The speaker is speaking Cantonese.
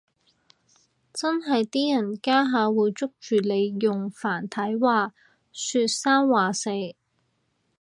真係啲人家下會捉住你用繁體話說三話四